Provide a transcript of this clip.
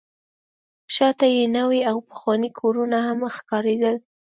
شاته یې نوي او پخواني کورونه هم ښکارېدل.